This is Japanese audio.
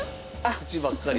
口ばっかり。